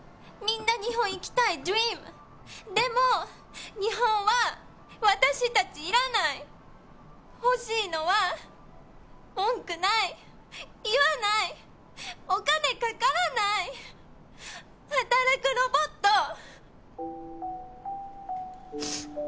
みんな日本行きたいドリームでも日本は私達いらない欲しいのは文句ない言わないお金かからない働くロボット